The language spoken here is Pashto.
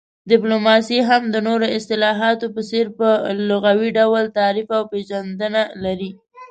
ډيپلوماسي هم د نورو اصطلاحاتو په څير په لغوي ډول تعريف او پيژندنه لري